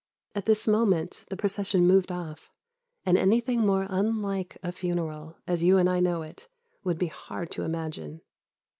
At this moment the procession moved off, and anything more unlike a funeral, as you and I know it, would be hard to imagine.